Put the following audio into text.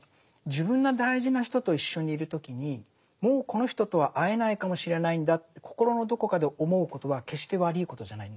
自分の大事な人と一緒にいる時にもうこの人とは会えないかもしれないんだって心のどこかで思うことは決して悪いことじゃないんだと思うんですよね。